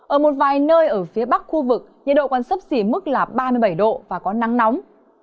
ở một vài nơi ở phía bắc khu vực nhiệt độ còn sấp xỉ mức là ba mươi bảy độ và có nắng nóng